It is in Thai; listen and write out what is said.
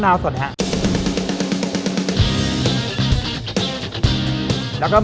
อันนี้ปลาอินซียักษ์นะครับ